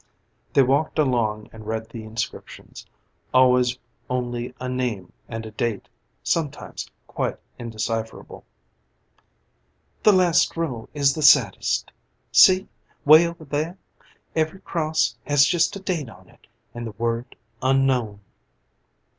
They walked along and read the inscriptions, always only a name and a date, sometimes quite indecipherable. "The last row is the saddest see, 'way over there. Every cross has just a date on it and the word 'Unknown.'"